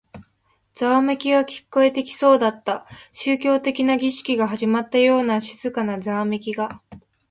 ざわめきが聞こえてきそうだった。宗教的な儀式が始まったときのような静かなざわめきが。